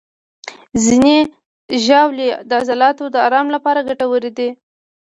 ځینې ژاولې د عضلاتو د آرام لپاره ګټورې دي.